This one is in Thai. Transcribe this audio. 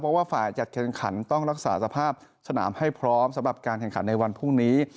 เพราะว่าฝ่ายจัดแข่งขันต้องรักษาสภาพสนามให้พร้อมสำหรับการแข่งขันในวันพรุ่งนี้